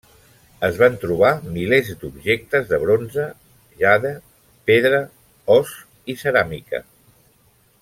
Es van trobar milers d'objectes de bronze, jade, pedra, os i ceràmica.